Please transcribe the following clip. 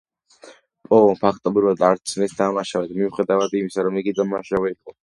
პო ფაქტობრივად არ ცნეს დამნაშავედ, მიუხედავად იმისა, რომ იგი დამნაშავე იყო.